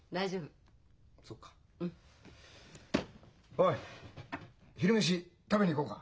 おい昼飯食べに行こうか？